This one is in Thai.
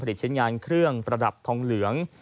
ชิ้นงานเครื่องประดับทองเหลือง